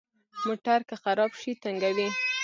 موټر که خراب شي، تنګوي.